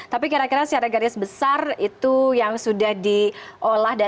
tapi kira kira secara garis besar itu yang sudah diolah